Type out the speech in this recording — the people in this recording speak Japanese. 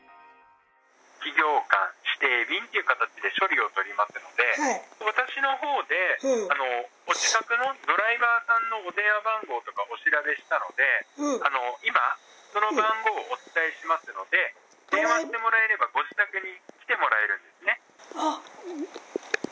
企業間指定便っていう形で処理を取りますので、私のほうでお近くのドライバーさんのお電話番号とかお調べしたので、今、その番号をお伝えしますので、電話してもらえれば、ご自宅に来てもらえるんですね。